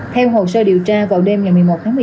theo hồ sơ điều tra vào đêm một mươi một tháng một mươi hai